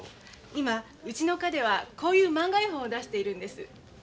今うちの課ではこういうまんが絵本を出しているんです。